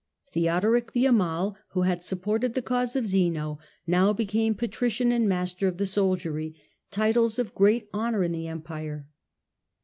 Theodoric the Amal, who had supported the cause of Zeno, now became Patrician and Master of the Soldiery, titles of great honour in the Empire.